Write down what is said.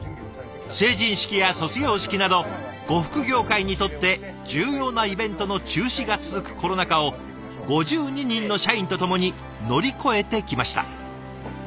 成人式や卒業式など呉服業界にとって重要なイベントの中止が続くコロナ禍を５２人の社員と共に乗り越えてきました。